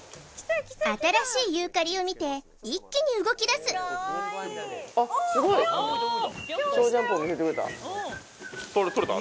新しいユーカリを見て一気に動きだすあっすごい撮れた？